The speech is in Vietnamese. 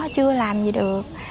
chưa làm gì được